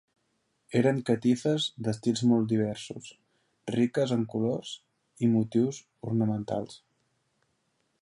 Eren catifes d’estils molt diversos, riques en colors i motius ornamentals.